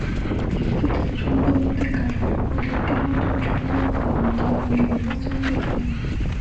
Ese touchdown de carrera fue el último touchdown anotado en el viejo Soldier Field.